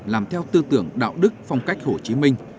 làm theo tư tưởng đạo đức phong cách hồ chí minh